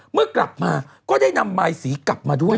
เมื่อกลับมาก็ได้นำมายสีกลับมาด้วย